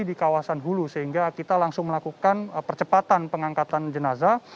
di kawasan hulu sehingga kita langsung melakukan percepatan pengangkatan jenazah